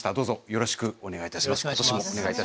よろしくお願いします。